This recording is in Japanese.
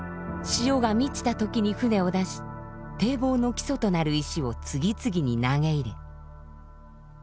潮が満ちた時に船を出し堤防の基礎となる石を次々に投げ入れ。